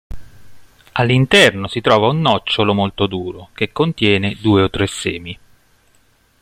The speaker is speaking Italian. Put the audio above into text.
All'interno si trova un nocciolo molto duro, che contiene due o tre semi.